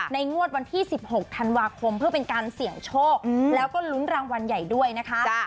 งวดวันที่๑๖ธันวาคมเพื่อเป็นการเสี่ยงโชคแล้วก็ลุ้นรางวัลใหญ่ด้วยนะคะ